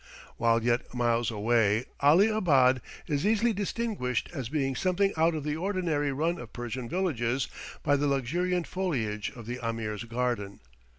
While yet miles away, Ali abad is easily distinguished as being something out of the ordinary run of Persian villages by the luxuriant foliage of the Ameer's garden.